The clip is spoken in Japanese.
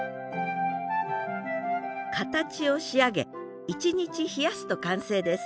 形を仕上げ１日冷やすと完成です。